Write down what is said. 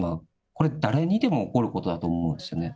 これ誰にでも起こることだと思うんですよね。